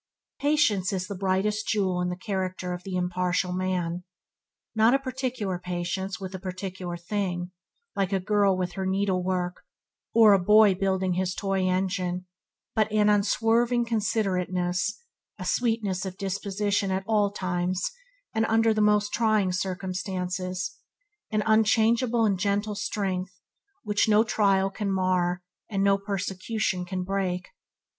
Patience is the brightest jewel in the character of the impartial man. Not a particular patience with a particular thing – like a girl with her needlework, or a boy building his toy engine but on unswerving considerateness, a sweetness of disposition at all times and under the most trying circumstances, an unchangeable and gentle strength which no trial can mar and no persecution can break.